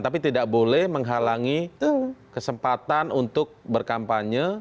tapi tidak boleh menghalangi kesempatan untuk berkampanye